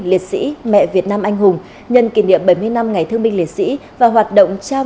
liệt sĩ mẹ việt nam anh hùng nhân kỷ niệm bảy mươi năm ngày thương binh liệt sĩ và hoạt động trao